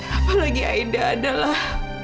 apalagi aida adalah